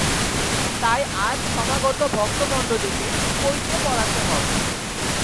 তাই আজ সমাগত ভক্তমণ্ডলীকে পৈতে পরাতে হবে।